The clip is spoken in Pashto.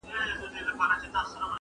انساني وجدان پوښتنه راپورته کوي تل،